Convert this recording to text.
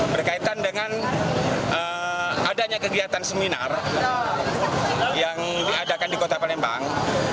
berkaitan dengan adanya kegiatan seminar yang diadakan di kota palembang